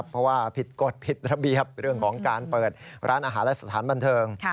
เพราะว่าผิดกฎผิดระเบียบเรื่องของการเปิดร้านอาหารและสถานบันเทิง